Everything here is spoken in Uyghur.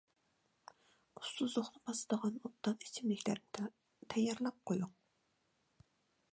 ئۇسسۇزلۇقنى باسىدىغان ئوبدان ئىچىملىكلەرنى تەييارلاپ قويۇڭ.